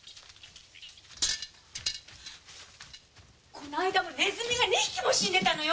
この間もねずみが２匹も死んでたのよ。